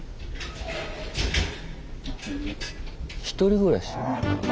１人暮らし。